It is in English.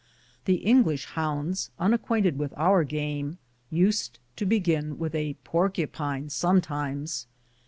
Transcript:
The English hounds, unacquainted with our game, used to begin with a porcupine sometimes.